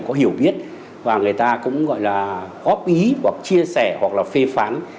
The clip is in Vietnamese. có hiểu biết và người ta cũng gọi là góp ý hoặc chia sẻ hoặc là phê phán